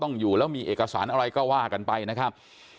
อยู่แล้วมีเอกสารอะไรก็ว่ากันไปนะครับ